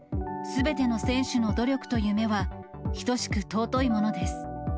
すべての選手の努力と夢は、等しく尊いものです。